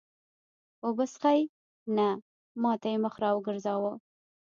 اوبه څښې؟ نه، ما ته یې مخ را وګرځاوه.